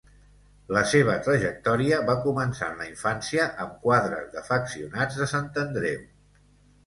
La seva trajectòria va començar en la infància amb quadres d'afeccionats de Sant Andreu.